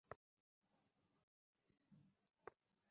অনেকদিন পরে নিজেকে স্বাধীন মানুষ বলে মনে হতে লাগল।